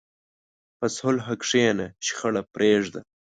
په صلح کښېنه، شخړه پرېږده.